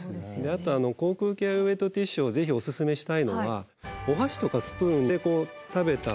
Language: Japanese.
あと口腔ケアウエットティッシュをぜひおすすめしたいのはお箸とかスプーンで食べた